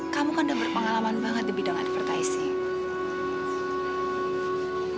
kamu kan udah berpengalaman banget di bidang advertising